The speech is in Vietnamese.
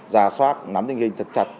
giá soát nắm tình hình thật chặt